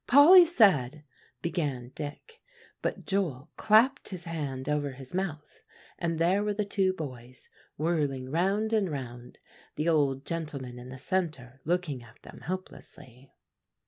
"Polly said" began Dick; but Joel clapped his hand over his mouth and there were the two boys whirling round and round, the old gentleman in the centre looking at them helplessly.